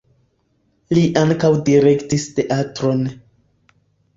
Li ankaŭ direktis teatron.